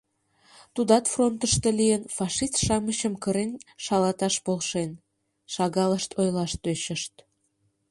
— Тудат фронтышто лийын, фашист-шамычым кырен шалаташ полшен, — шагалышт ойлаш тӧчышт.